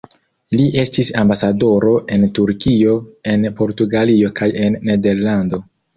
Li estis ambasadoro en Turkio, en Portugalio kaj en Nederlando.